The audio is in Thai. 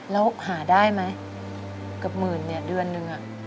แล้วหาได้ไหมเกือบหมื่นเนี่ยเดือนนึง